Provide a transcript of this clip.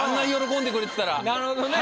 なるほどね。